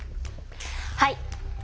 はい。